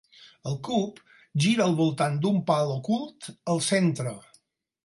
El cub gira al voltant d'un pal ocult al centre.